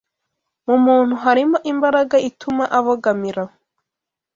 Mu muntu harimo imbaraga ituma abogamira